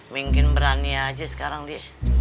mungkin berani aja sekarang deh